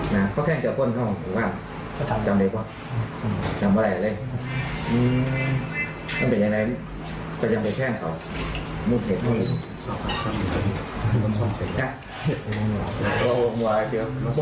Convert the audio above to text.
ในโม่เด็กนั่งว่างปากคาไม่ขึ้นเปล่าพูดไปบ้านเอ๊ะว่าเด็ก